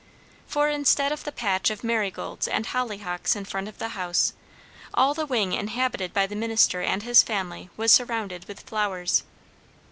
For instead of the patch of marigolds and hollyhocks in front of the house, all the wing inhabited by the minister and his family was surrounded with flowers.